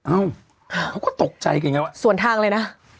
เอ้าเขาก็ตกใจกันไงวะส่วนทางเลยนะ